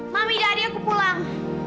mami udah ada aku pulang